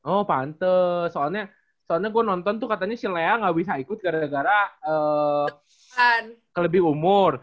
oh pante soalnya soalnya gue nonton tuh katanya si lea gak bisa ikut gara gara lebih umur